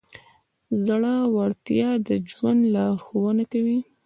زړهورتیا د ژوند لارښوونه کوي.